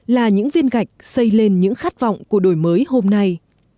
là những viên gạch xây lên những khát vọng của đổi mới hôm nay